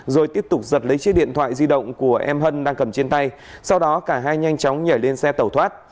rồi tiếp tục giật lấy chiếc điện thoại di động của em hân đang cầm trên tay sau đó cả hai nhanh chóng nhảy lên xe tẩu thoát